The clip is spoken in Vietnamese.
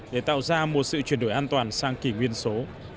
để tạo ra một sự chuyển đổi an toàn sang kỳ nguyên số